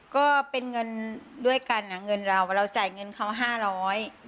ก็เป็นเงินด้วยกันเงินเราเราจ่ายเงินเขาห้าร้อย